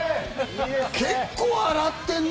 結構、洗ってるね！